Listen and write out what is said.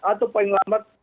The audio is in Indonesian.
atau paling lambat